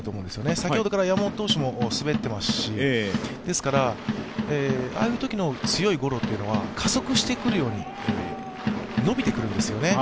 先ほどから山本投手も滑っていますし、ああいうときの強いゴロというのは加速してくるように伸びてくるんですよね。